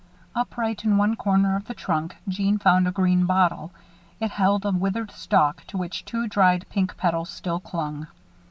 Upright in one corner of the trunk, Jeanne found a green bottle. It held a withered stalk to which two dried pink petals still clung.